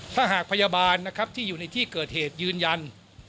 ถ้าหากพยาบาลนะครับที่อยู่ในที่เกิดเหตุยืนยัน